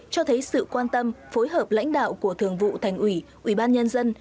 cho thấy sự quan tâm phối hợp lãnh đạo của thường vụ thành ủy ủy ban nhân dân